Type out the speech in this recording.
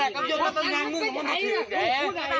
ค่อยเข้าใจอยู่ไว้